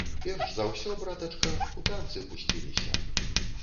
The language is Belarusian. Перш за ўсё, братачка, у танцы пусціліся.